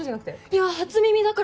いや初耳だから！